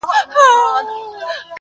خود نو په دغه يو سـفر كي جادو.